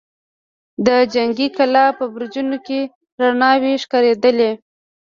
د جنګي کلا په برجونو کې رڼاوې ښکارېدلې.